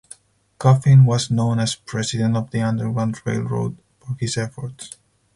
Coffin was known as "president of the Underground Railroad" for his efforts.